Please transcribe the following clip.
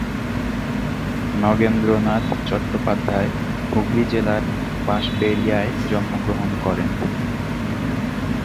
নগেন্দ্রনাথ চট্টোপাধ্যায় হুগলী জেলার বাঁশবেড়িয়ায় জন্মগ্রহণ করেন।